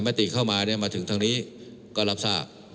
มันติกเข้ามามาถึงทางนี้ก็รับสร้าง